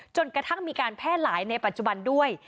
จนกระทั่งมีการแพร่หลายในปัจจุบันด้วย